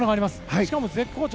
しかも絶好調！